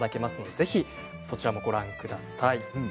ぜひそちらもご確認ください。